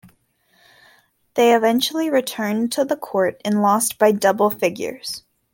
They eventually returned to the court and lost by double figures.